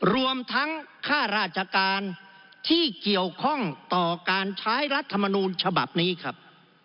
รวมทั้งค่าราชการที่เกี่ยวข้องต่อการใช้รัฐมนูลฉบับนี้ครับ